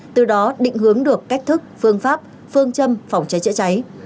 từ đó định hướng được cách thức phương pháp phương châm phòng cháy chữa cháy